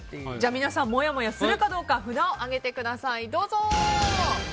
皆さん、もやもやするか札を上げてください。